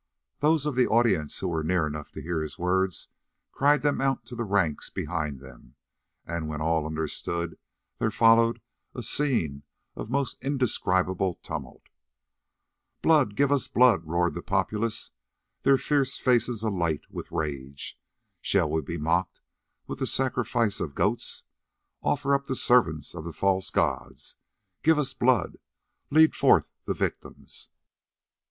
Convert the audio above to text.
Those of the audience who were near enough to hear his words cried them out to the ranks behind them, and when all understood there followed a scene of most indescribable tumult. "Blood, give us blood!" roared the populace, their fierce faces alight with rage. "Shall we be mocked with the sacrifice of goats? Offer up the servants of the false gods. Give us blood! Lead forth the victims!"